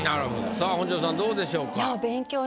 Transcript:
さあ本上さんどうでしょうか？